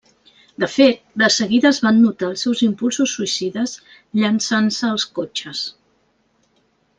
De fet, de seguida es van notar els seus impulsos suïcides llançant-se als cotxes.